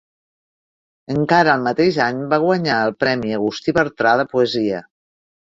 Encara el mateix any va guanyar el Premi Agustí Bartra de poesia.